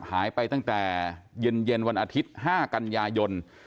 หายไปตั้งแต่เย็นวันอาทิตย์๕กันยายน